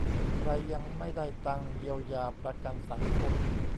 ใครยังไม่ได้ตังค์ เยียวยา ประกันสังคม